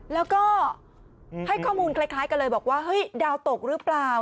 แล้วก็ให้ข้อมูลคล้ายกันเลยบอกว่าเฮ้ยดาวตกหรือเปล่า